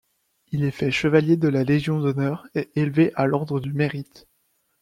Il est fait chevalier de la Légion d'honneur et élevé à l'ordre du Mérite.